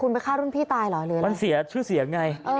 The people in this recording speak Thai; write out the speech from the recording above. มันเสียชื่อเสียไง